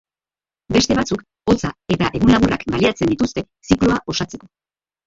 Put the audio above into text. Beste batzuk, hotza eta egun laburrak baliatzen dituzte zikloa osatzeko.